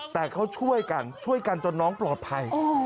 แต่เขาช่วยกันช่วยกันจนน้องปลอดภัย